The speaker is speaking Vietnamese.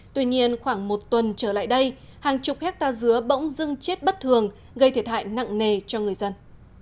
tuy nhiên khoảng một tuần trở lại đây hàng chục hectare dứa bỗng dưng chết bất thường gây thiệt hại nặng nề cho người dân